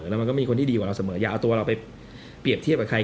แล้วมันก็มีคนที่ดีกว่าเราเสมออย่าเอาตัวเราไปเปรียบเทียบกับใคร